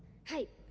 はい。